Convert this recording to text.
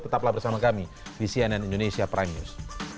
tetaplah bersama kami di cnn indonesia prime news